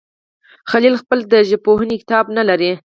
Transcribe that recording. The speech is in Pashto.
خلیل پخپله د ژبپوهنې کتاب نه لري.